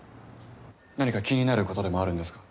何か気になることでもあるんですか？